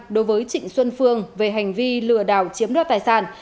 đối với trịnh xuân phương về hành vi lừa đảo chiếm đoạt tài sản